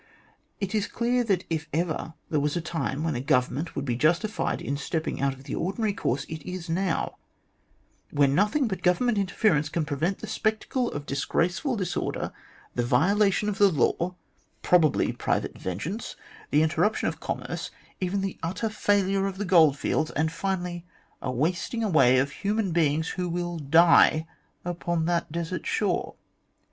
It is clear that if ever there was a time when a Government would be justified in stepping out of the ordinary course, it is now, when 'nothing but Governmental interference can prevent the spectacle of disgraceful disorder, the violation of law, probably private vengeance, the interruption of commerce, even the utter failure of the goldfields, and finally a wasting away of human beings, who will die upon that desert shore.